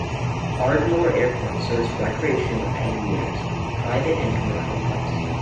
Ardmore Airport serves recreational aviators, private and commercial flights.